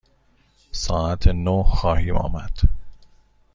ساعت نه خواهیم آمد.